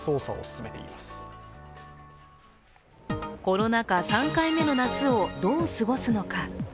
コロナ禍３回目の夏をどう過ごすのか。